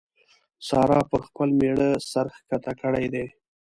سارا پر خپل مېړه سر کښته کړی دی.